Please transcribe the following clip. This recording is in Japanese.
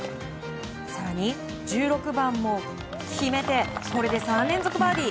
更に１６番も決めてこれで３連続バーディー。